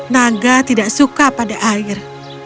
naga tidak suka pada air